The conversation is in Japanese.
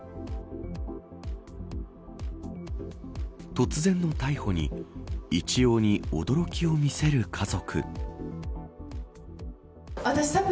突然の逮捕に一様に驚きを見せる家族。